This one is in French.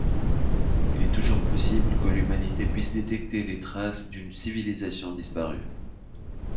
Il est toujours possible que l'humanité puisse détecter les traces d'une civilisation disparue.